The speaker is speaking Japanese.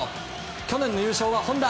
去年の優勝は本多。